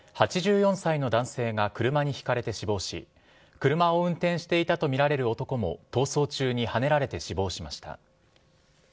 横浜市の路上で、８４歳の男性が車にひかれて死亡し、車を運転していたと見られる男も、逃走中にはねられて死亡しました。